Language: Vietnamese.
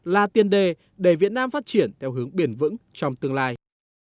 là tiên đề để việt nam phát triển theo hướng biển vững trong tương lai